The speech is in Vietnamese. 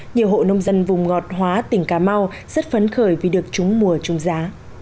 nhiều hộ nông dân vùng ngọt hóa tỉnh cà mau rất phấn khởi vì được chúng mua trung giá